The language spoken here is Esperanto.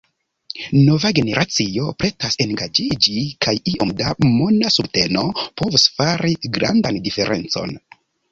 Nova generacio pretas engaĝiĝi, kaj iom da mona subteno povus fari grandan diferencon.